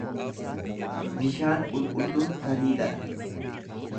Bishaan qulqulluun taliila dha.